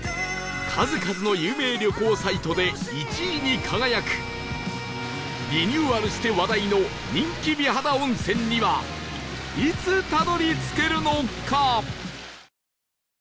数々の有名旅行サイトで１位に輝くリニューアルして話題の人気美肌温泉にはいつたどり着けるのか？